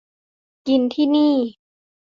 กินที่นี่